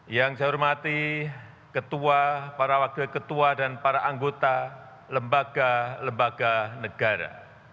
yang saya hormati ketua para wakil ketua dan para anggota lembaga lembaga negara